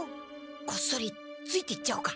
こっそりついていっちゃおうか。